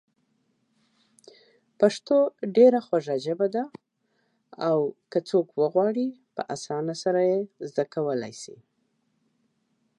پښتو ډېره خوږه ژبه ده او په اسانه زده کېږي.